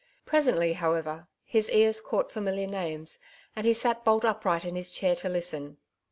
Presently, however, his ears caught familiar names, and he sat bolt upright in his chair to listen.